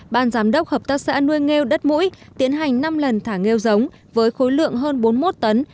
ban giám đốc hợp tác xã nuôi nghêu đất mũi tiến hành năm lần thả nghêu giống với khối lượng hơn bốn mươi một tấn